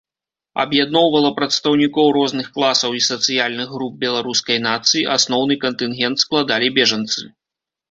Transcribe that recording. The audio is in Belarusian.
Аб'ядноўвала прадстаўнікоў розных класаў і сацыяльных груп беларускай нацыі, асноўны кантынгент складалі бежанцы.